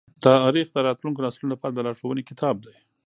تاریخ د راتلونکو نسلونو لپاره د لارښوونې کتاب دی.